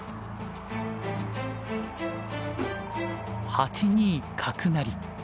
８二角成。